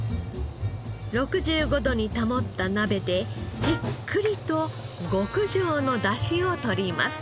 ６５度に保った鍋でじっくりと極上の出汁をとります。